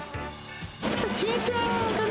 新鮮かな。